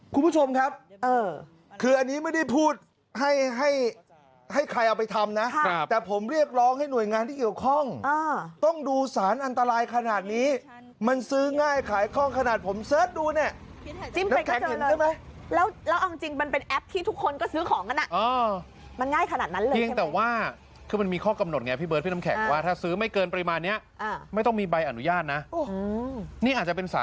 คุณผู้ชมครับเออคืออันนี้ไม่ได้พูดให้ให้ให้ใครเอาไปทำนะครับแต่ผมเรียกร้องให้หน่วยงานที่เกี่ยวข้องอ่าต้องดูสารอันตรายขนาดนี้มันซื้อง่ายขายข้องขนาดผมเสิร์ชดูเนี้ยแล้วเอาจริงมันเป็นแอปที่ทุกคนก็ซื้อของกันอ่ะอ้อมันง่ายขนาดนั้นเลยเพียงแต่ว่าคือมันมีข้อกำหนดไงพี่เบิร์ดพี่น้ำแ